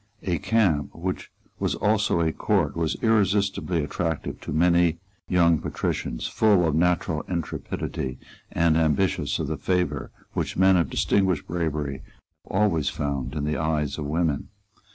A camp, which was also a court, was irresistibly attractive to many young patricians full of natural intrepidity, and ambitious of the favour which men of distinguished bravery have always found in the eyes of women.